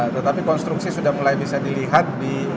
tetapi konstruksi sudah mulai bisa dilihat